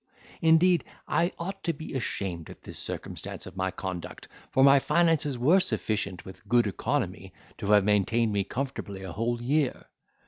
Indeed, I ought to be ashamed at this circumstance of my conduct; for my finances were sufficient, with good economy, to have maintained me comfortably a whole year.